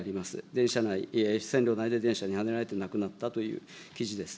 電車内、線路内で電車にはねられて亡くなったという記事です。